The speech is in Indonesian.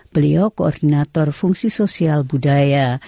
beliau koordinator fungsi sosial budaya